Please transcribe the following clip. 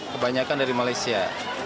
kebanyakan dari malaysia